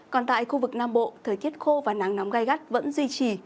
còn tại khu vực nam bộ thời tiết khô và nắng nóng gai gắt vẫn duy trì